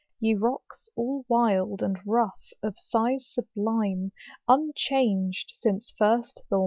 Ye rocks all wild, and rough, of size sublime, Unchanged since first th ?